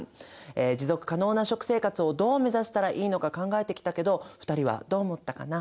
持続可能な食生活をどうめざしたらいいのか考えてきたけど２人はどう思ったかな？